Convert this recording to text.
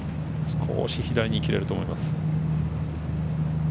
少し左に切れると思います。